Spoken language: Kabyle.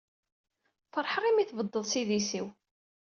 Feṛḥeɣ imi i tebded s idis-iw.